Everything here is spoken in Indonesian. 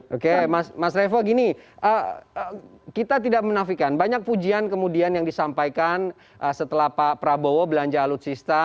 oke mas revo gini kita tidak menafikan banyak pujian kemudian yang disampaikan setelah pak prabowo belanja alutsista